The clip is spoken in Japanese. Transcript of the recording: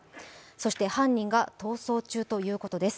そして犯人が逃走中ということです。